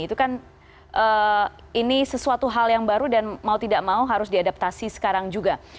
itu kan ini sesuatu hal yang baru dan mau tidak mau harus diadaptasi sekarang juga